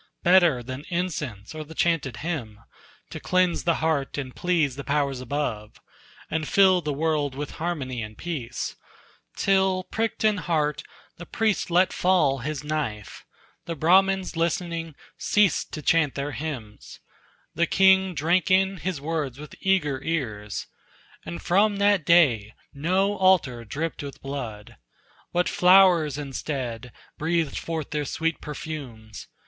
Better than incense or the chanted hymn, To cleanse the heart and please the powers above, And fill the world with harmony and peace, Till pricked in heart, the priest let fall his knife; The Brahmans listening, ceased to chant their hymns; The king drank in his words with eager ears; And from that day no altar dripped with blood, But flowers instead breathed forth their sweet perfumes.